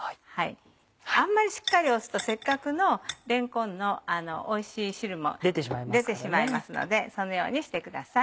あんまりしっかり押すとせっかくのれんこんのおいしい汁も出てしまいますのでそのようにしてください。